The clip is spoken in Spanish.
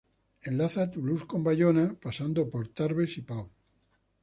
Enlaza Toulouse con Bayonne pasando por Tarbes y Pau.